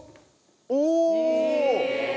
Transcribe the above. お！